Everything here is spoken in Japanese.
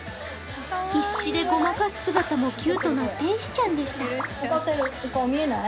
必死でごまかす姿もキュートな天使ちゃんでした。